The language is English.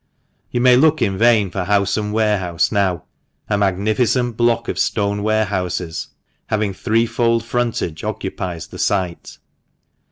You may look in vain for house and warehouse now. A magnificent block of stone warehouses, having threefold frontage, occupies the site.